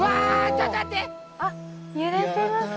あっ揺れてますね。